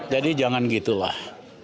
jadi jangan gitu lah